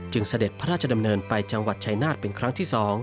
จึงเสด็จพระราชดำเนินไปจังหวัดชัยนาธปันที่๒